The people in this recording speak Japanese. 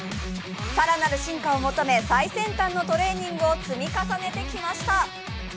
更なる進化を求め、最先端のトレーニングを積み重ねてきました。